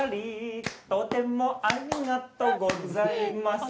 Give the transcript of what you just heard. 「とてもありがとうございます」